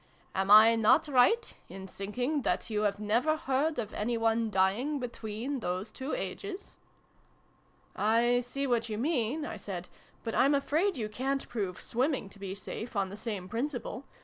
Am I not right in thinking that you never heard of any one dying between those two ages ?" "I see what you mean," I said : "but I'm afraid you ca'n't prove swimming to be safe, on the same principle.